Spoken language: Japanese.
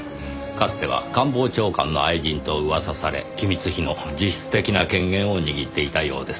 かつては官房長官の愛人と噂され機密費の実質的な権限を握っていたようです。